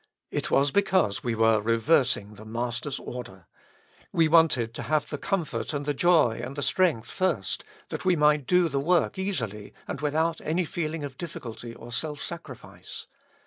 It was because we were reversing the Master's order. We wanted to have the comfort and the joy and the strength first, that we might do the work easily and without any feeling of difficulty or self sacrifice.